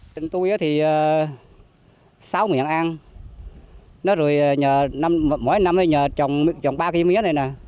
tình tôi thì sáu miệng ăn mỗi năm nhờ trồng ba cái mía này nè